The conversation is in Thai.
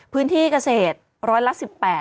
พื้นที่เกษตรร้อยละ๑๘